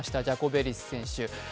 ジャコベリス選手。